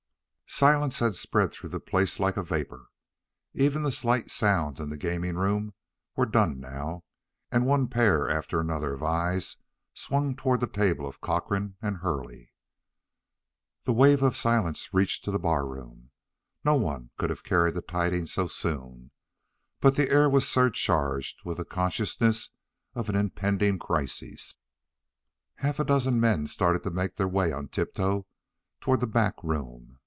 Silence had spread through the place like a vapor. Even the slight sounds in the gaming room were done now, and one pair after another of eyes swung toward the table of Cochrane and Hurley. The wave of the silence reached to the barroom. No one could have carried the tidings so soon, but the air was surcharged with the consciousness of an impending crisis. Half a dozen men started to make their way on tiptoe toward the back room.